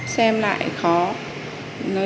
xem lại khó